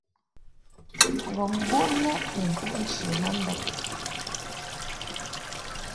Ngɔ̀ŋ bon mɛʼ ni ntuʼ nchi ma ndab.